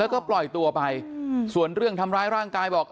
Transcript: แล้วก็ปล่อยตัวไปส่วนเรื่องทำร้ายร่างกายบอก